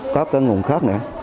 có các nguồn khác